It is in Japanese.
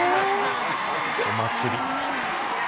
お祭り。